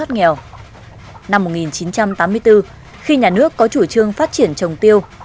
năm một nghìn chín trăm tám mươi bốn khi nhà nước có chủ trương phát triển trồng tiêu